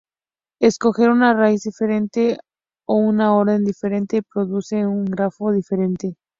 Escoger una raíz diferente o un orden diferente produce un grafo diferente.